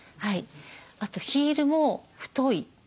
あとヒールも太いですね。